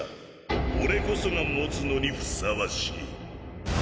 俺こそが持つのにふさわしい。